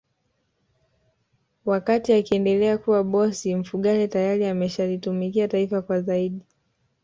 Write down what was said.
Wakati akiendelea kuwa bosi Mfugale tayari ameshalitumikia taifa kwa zaidi